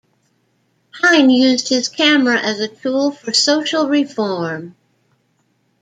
Hine used his camera as a tool for social reform.